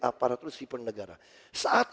aparatur sipil negara saat